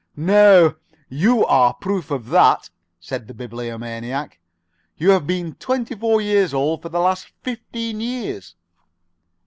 "No you are proof of that," said the Bibliomaniac. "You have been twenty four years old for the last fifteen years."